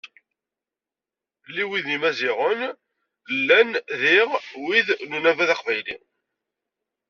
Ll wid n Yimaziɣen llan diɣ wid n Unabaḍ Aqbayli.